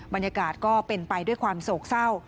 บรรยากาศก็เป็นไปด้วยความโศกเศร้า